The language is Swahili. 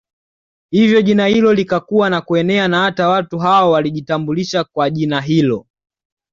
Hivyo jina hilo likakua na kuenea na hata watu hao walijitambulisha kwa jina hilo